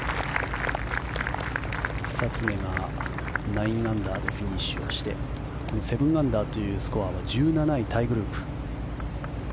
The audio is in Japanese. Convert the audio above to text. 久常が９アンダーでフィニッシュをして７アンダーというスコアは１７位タイグループ。